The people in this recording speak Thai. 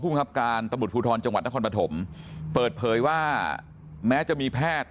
ผู้งับการตมุดภูทรจังหวัดนครประถมเปิดเผยว่าแม้จะมีแพทย์